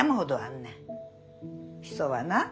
人はな